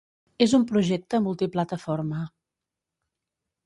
És un projecte multiplataforma.